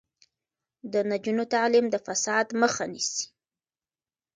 د نجونو تعلیم د فساد مخه نیسي.